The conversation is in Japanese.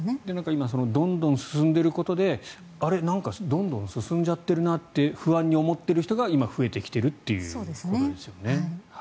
今、どんどん進んでいることであれ、なんかどんどん進んじゃってるなって不安に思っている人が今、増えてきているということですよね。